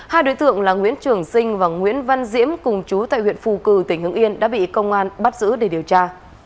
hai đối tượng là nguyễn trường sinh và nguyễn văn diễm cùng chú tại huyện phù cử tỉnh hưng yên đã bị công an bắt giữ để điều tra